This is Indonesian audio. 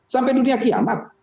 sampai dunia kiamat